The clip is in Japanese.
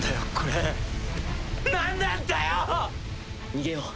逃げよう。